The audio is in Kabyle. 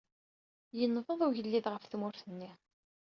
Yenbeḍ ugellid ɣef tmurt-nni.